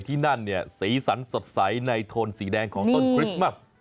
ที่นั่นเนี่ยสีสันสดใสในโทนสีแดงของต้นคริสต์มัส